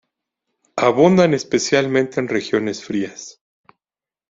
Abundan especialmente en regiones frías.